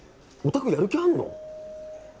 おたくやる気あんの？